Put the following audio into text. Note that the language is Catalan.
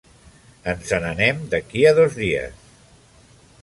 Ens en anem d'aquí a dos dies.